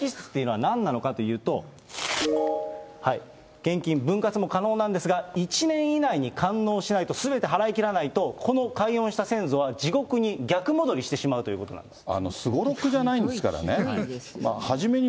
待ってて、この待機室というのは、なんなのかというと、献金、分割も可能なんですが、１年以内に完納しないと、すべて払い切らないと、この解怨した先祖は、地獄に逆戻りしてしまうということなんです。